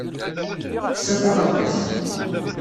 Teksa taɣaṭ-is.